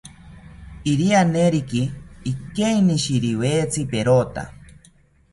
Irianeriki ikeinishiriwetzi perota